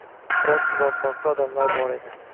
Biroz uzoqroqda odamlar bor edi